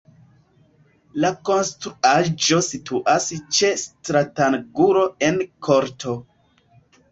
La konstruaĵo situas ĉe stratangulo en korto.